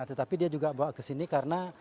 tetapi dia juga bawa ke sini karena